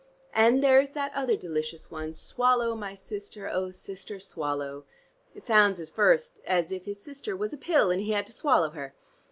And there's that other delicious one 'Swallow, my Sister, oh, Sister Swallow.' It sounds at first as if his sister was a pill, and he had to swallow her.